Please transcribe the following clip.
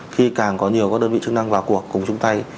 khi càng có nhiều các đơn vị chức năng vào cuộc cùng chung tay